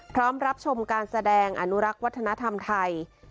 รับชมการแสดงอนุรักษ์วัฒนธรรมไทย